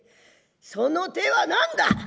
その手は何だ。